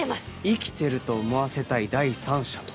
生きてると思わせたい第三者とか。